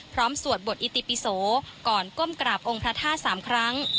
สวดบทอิติปิโสก่อนก้มกราบองค์พระธาตุ๓ครั้ง